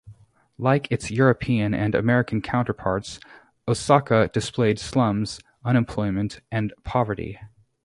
Like its European and American counterparts, Osaka displayed slums, unemployment, and poverty.